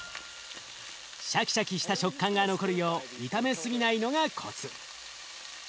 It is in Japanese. シャキシャキした食感が残るよう炒めすぎないのがコツ。